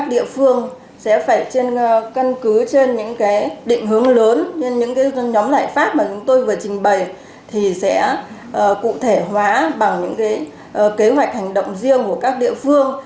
định hướng lớn như những nhóm lãi pháp mà chúng tôi vừa trình bày thì sẽ cụ thể hóa bằng những kế hoạch hành động riêng của các địa phương